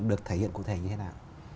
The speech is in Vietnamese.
được thể hiện cụ thể như thế nào